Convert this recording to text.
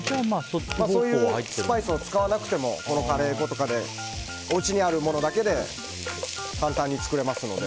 そういうスパイスを使わなくてもこのカレー粉とかでおうちにあるものだけで簡単に作れますので。